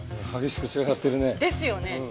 激しく散らかってるね。ですよね。